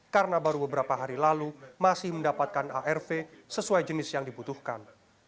karena baru beberapa hari lalu masih mendapatkan arv sesuai jenis yang dibutuhkan